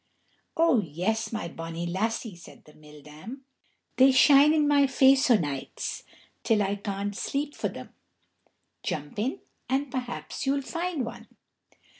"Oh, yes, my bonnie lassie," said the mill dam. "They shine in my own face o' nights till I can't sleep for them. Jump in and perhaps you'll find one."